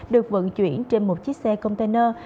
được vận chuyển trên một chiếc xe container